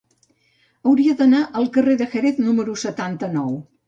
Hauria d'anar al carrer de Jerez número setanta-nou.